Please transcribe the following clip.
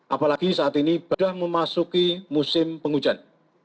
apalagi saat ini sudah memasuki musim penghujan